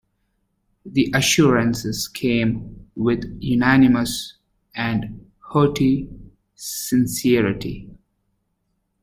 The assurances came with unanimous and hearty sincerity.